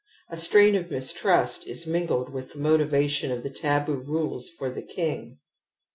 A strain of mistrust is mingled with the motiva tion of the taboo rules for the king.